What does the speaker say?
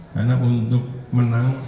karena untuk menang